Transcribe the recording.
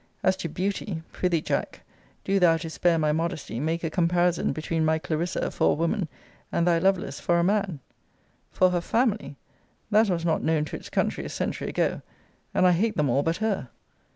As to BEAUTY; pr'ythee, Jack, do thou, to spare my modesty, make a comparison between my Clarissa for a woman, and thy Lovelace for a man. For her FAMILY; that was not known to its country a century ago: and I hate them all but her.